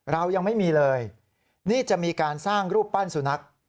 เรายังไม่มีเลยนี่จะมีการสร้างรูปปั้นสุนัข